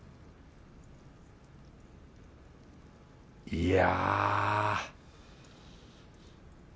いや